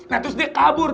nah terus dia kabur